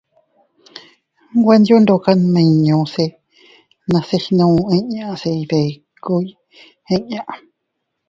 Nweyo ndoka nmiño se nase gnu inñas se iydikuy eʼe inña.